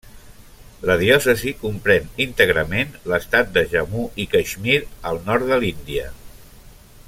La diòcesi comprèn íntegrament l'estat de Jammu i Caixmir, al nord de l'Índia.